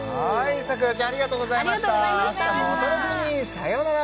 サクラちゃんありがとうございました明日もお楽しみにさよなら